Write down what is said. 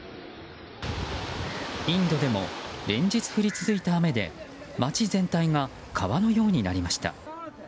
インドでも連日降り続いた雨で街全体が川のようになりました。